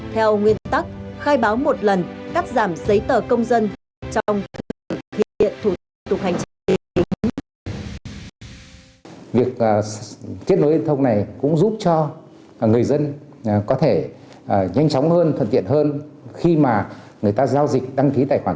theo nguyên tắc khai báo một lần cắt giảm giấy tờ công dân